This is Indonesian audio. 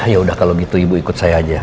ya udah kalau gitu ibu ikut saya aja